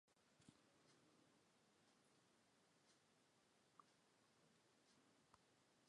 Mae gan yr orsaf fynedfeydd ar y ddwy ochr iddi.